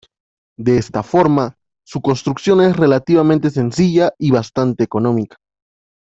De esta forma, su construcción es relativamente sencilla y bastante económica.